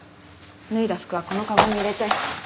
脱いだ服はこのかごに入れて。